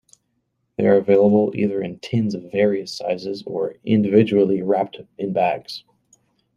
They are available either in tins of various sizes or individually wrapped in bags.